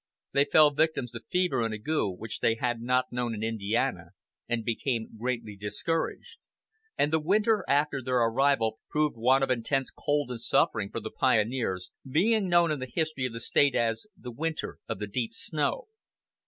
They fell victims to fever and ague, which they had not known in Indiana, and became greatly discouraged; and the winter after their arrival proved one of intense cold and suffering for the pioneers, being known in the history of the State as "the winter of the deep snow."